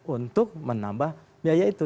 untuk menambah biaya itu